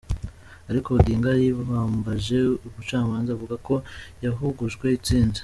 Ariko Odinga yiyambaje ubucamanza avuga ko yahugujwe intsinzi.